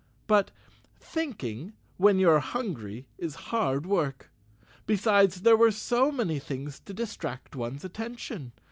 But thinking when you're hungry is hard work. Besides, there were so many things to dis¬ tract one's attention.